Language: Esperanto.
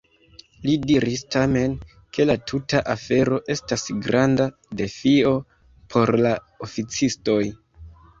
Li diris tamen, ke la tuta afero estas granda defio por la oficistoj.